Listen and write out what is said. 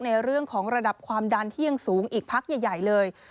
ในเรื่องของระดับความดันที่ยังสูงอีกพักใหญ่เลย